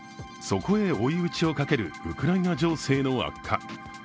そこへ追い打ちをかけるウクライナ情勢の悪化。